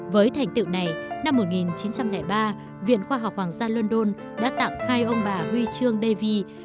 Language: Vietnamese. với thành tựu này năm một nghìn chín trăm linh ba viện khoa học hoàng gia london đã tặng hai ông bà huy chương davi